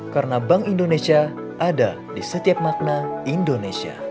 karena bank indonesia ada di setiap makna indonesia